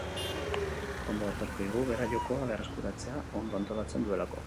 Ondo datorkigu bera jokoa berreskuratzea, ondo antolatzen duelako.